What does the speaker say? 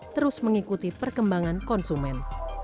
terus mengikuti perkembangan konsumen